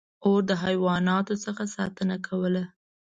• اور د حیواناتو څخه ساتنه کوله.